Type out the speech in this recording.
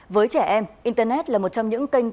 với trẻ em internet là một trong những kênh